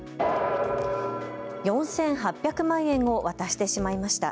４８００万円を渡してしまいました。